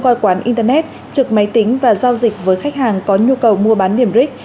coi quán internet trực máy tính và giao dịch với khách hàng có nhu cầu mua bán điểm rig